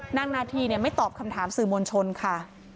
นาธีไม่ตอบคำถามสื่อมวลชนค่ะ